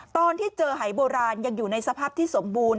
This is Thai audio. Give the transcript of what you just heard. ตอนที่เจอหายโบราณยังอยู่ในสภาพที่สมบูรณ